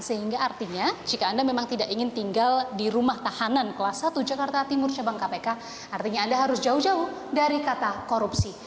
sehingga artinya jika anda memang tidak ingin tinggal di rumah tahanan kelas satu jakarta timur cabang kpk artinya anda harus jauh jauh dari kata korupsi